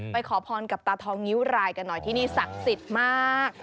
ขอพรกับตาทองงิ้วรายกันหน่อยที่นี่ศักดิ์สิทธิ์มาก